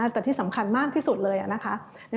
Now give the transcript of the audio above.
แต่ที่สำคัญมากที่สุดเลยนะคะ